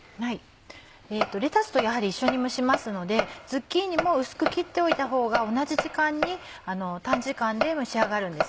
レタスと一緒に蒸しますのでズッキーニも薄く切っておいたほうが同じ時間に短時間で蒸し上がるんです。